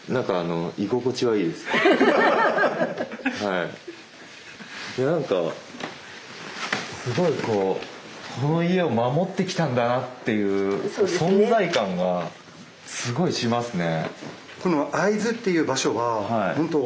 いやなんかすごいこうこの家を守ってきたんだなっていう存在感がすごいしますね。